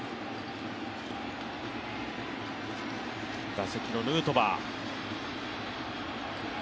打席のヌートバー。